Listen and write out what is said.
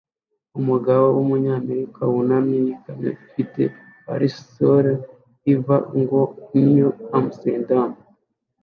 Umugabo wumunyamerika wunamye yikamyo ifite parasole ivuga ngo "New Amsterdam"